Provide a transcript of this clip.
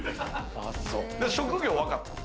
職業わかった？